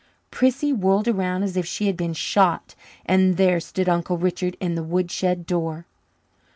Prissy whirled around as if she had been shot, and there stood Uncle Richard in the woodshed door!